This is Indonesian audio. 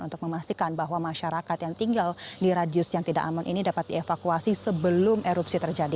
untuk memastikan bahwa masyarakat yang tinggal di radius yang tidak aman ini dapat dievakuasi sebelum erupsi terjadi